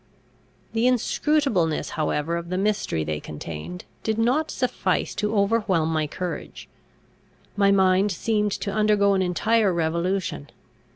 The inscrutableness however of the mystery they contained, did not suffice to overwhelm my courage. My mind seemed to undergo an entire revolution.